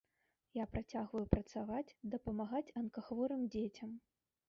Я працягваю працаваць, дапамагаць анкахворым дзецям.